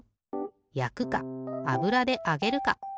やくかあぶらであげるか。